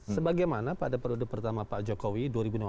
sebagaimana pada periode pertama pak jokowi dua ribu enam belas